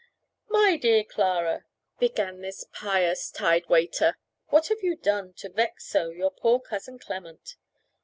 "My dear Clara," began this pious tidewaiter, "what have you done to vex so your poor cousin Clement?"